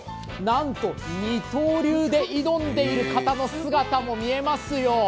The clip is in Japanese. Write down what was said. なんと二刀流で挑んでいる方の姿も見えますよ。